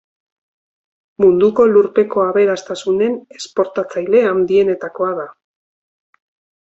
Munduko lurpeko aberastasunen esportatzaile handienetakoa da.